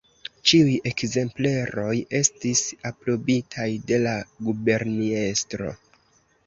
Ĉiuj ekzempleroj estis aprobitaj de la guberniestro.